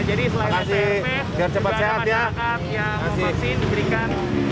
jadi selain strp juga masyarakat yang mau vaksin diberikan